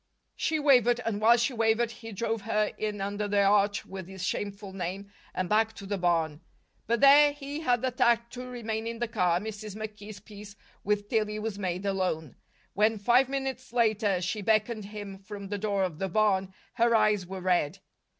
She wavered, and while she wavered he drove her in under the arch with the shameful name, and back to the barn. But there he had the tact to remain in the car, and Mrs. McKee's peace with Tillie was made alone. When, five minutes later, she beckoned him from the door of the barn, her eyes were red.